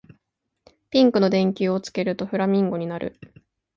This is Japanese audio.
ピンクの電球をつけるとフラミンゴになる